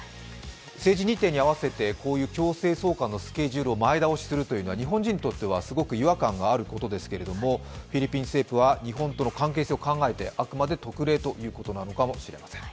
政治日程に合わせてこういう強制送還のスケジュールを前倒しするというのは日本人にとってはすごく違和感があることですけれども、フィリピン政府は日本との関係性を踏まえてあくまで特例ということなのかもしれません。